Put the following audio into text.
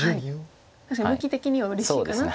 確かに向き的にはうれしいかなっていう。